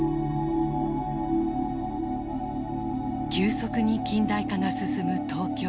急速に近代化が進む東京。